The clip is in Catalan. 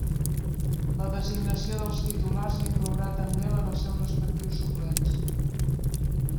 La designació dels titulars inclourà també la dels seus respectius suplents.